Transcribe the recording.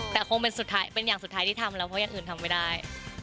แต่คงเป็นสุดท้ายเป็นอย่างสุดท้ายที่ทำแล้วเพราะยังอื่นทำไม่ได้